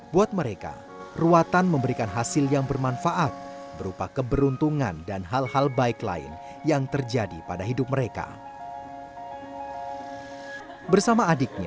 buat mereka ruatan memberikan hasil yang bermanfaat berupa keberuntungan dan hal hal baik lain yang terjadi pada hidup mereka